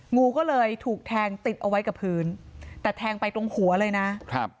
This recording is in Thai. งูก็เลยถูกแทงติดเอาไว้กับพื้นแต่แทงไปตรงหัวเลยนะครับ